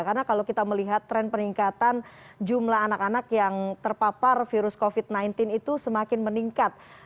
karena kalau kita melihat tren peningkatan jumlah anak anak yang terpapar virus covid sembilan belas itu semakin meningkat